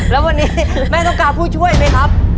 แล้ววันนี้แม่ต้องการผู้ช่วยไหมครับ